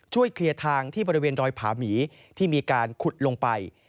เคลียร์ทางที่บริเวณดอยผาหมีที่มีการขุดลงไป